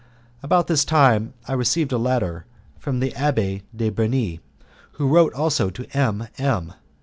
About this time I received a letter from the Abbé de Bernis, who wrote also to M M